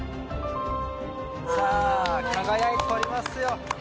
さあ輝いておりますよ。